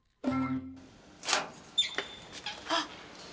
あっ！